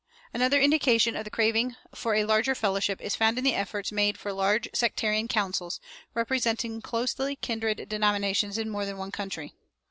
Another indication of the craving for a larger fellowship is found in the efforts made for large sectarian councils, representing closely kindred denominations in more than one country.